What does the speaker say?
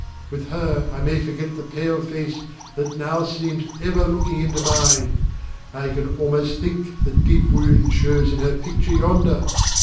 With her I may forget the pale face that now seems ever looking into mine. I can almost think the deep wound shows in her picture yonder.